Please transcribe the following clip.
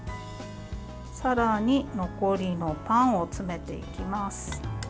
さらに残りのパンを詰めていきます。